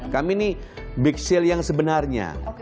kami ini big sale yang sebenarnya